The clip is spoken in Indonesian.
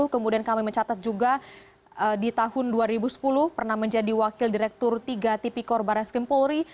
kemudian kami mencatat juga di tahun dua ribu sepuluh pernah menjadi wakil direktur tiga tipikor barat skrim polri